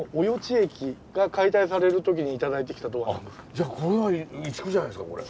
じゃあこれは移築じゃないですかこれ。